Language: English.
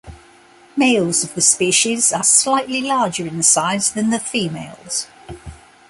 Males of the species are slightly larger in size than the females.